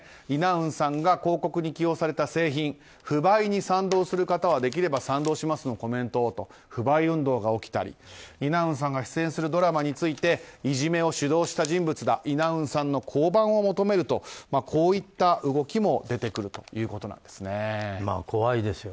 イ・ナウンさんが広告に起用された製品不買に賛同する方はできれば賛同しますのコメントをと不買運動が起きたりイ・ナウンさんが出演するドラマについていじめを主導した人物だとイ・ナウンさんの降板を求めるといった動きも出てくるということです。